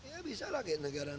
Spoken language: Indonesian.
ya bisa lah kayak negara negara yang